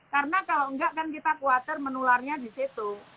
karena kalau tidak kan kita khawatir menularnya di situ